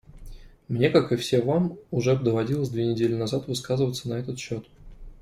Мне, как и все вам, уже доводилось две недели назад высказываться на этот счет.